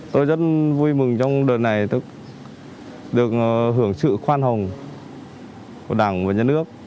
tôi rất vui mừng trong đợt này được hưởng sự khoan hồng của đảng và nhà nước